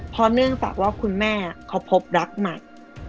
ครับพอเนื่องจากว่าคุณแม่เขาพบรักใหม่อืม